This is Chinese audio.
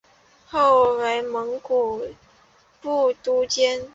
后为乌古部都监。